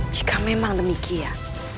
jika memang demikian